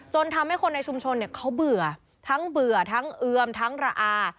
ทำให้คนในชุมชนเขาเบื่อทั้งเบื่อทั้งเอือมทั้งระอา